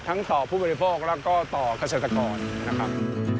ต่อผู้บริโภคแล้วก็ต่อเกษตรกรนะครับ